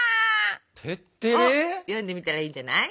テッテレ？を読んでみたらいいんじゃない？